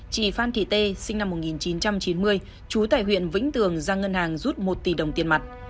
chị phan thị tê sinh năm một nghìn chín trăm chín mươi chú tại huyện vĩnh tường ra ngân hàng rút một tỷ đồng tiền mặt